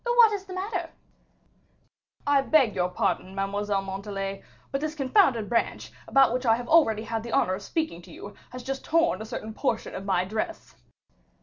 "What's the matter?" "I beg your pardon, Mademoiselle Montalais, but this confounded branch, about which I have already had the honor of speaking to you, has just torn a certain portion of my dress."